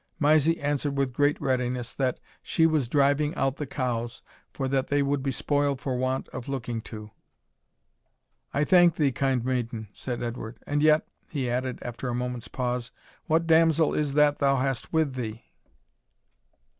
Mysie answered with great readiness, that "she was driving out the cows, for that they would be spoiled for want of looking to." "I thank thee, kind maiden," said Edward "and yet," he added, after a moment's pause, "what damsel is that thou hast with thee?"